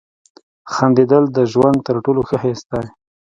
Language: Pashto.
• خندېدل د ژوند تر ټولو ښه حس دی.